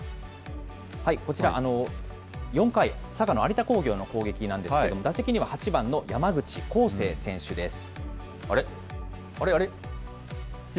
こちら、４回、佐賀の有田工業の攻撃なんですけれども、打席には８番の山口こうせい選手です。